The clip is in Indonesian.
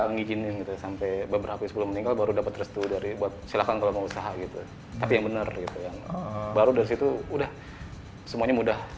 masih nggak ngijinin gitu sampai beberapa sebelum meninggal baru dapat restu dari buat silahkan kalau mau usaha gitu tapi yang bener baru dari situ udah semuanya mudah